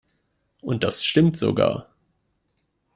Und das stimmt sogar.